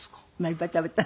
いっぱい食べた。